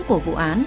của vụ án